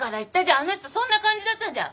あの人そんな感じだったじゃん。